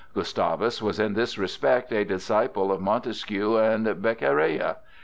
Gustavus was in this respect a disciple of Montesquieu and Beccaria.